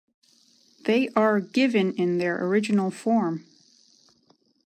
They are given in their original form.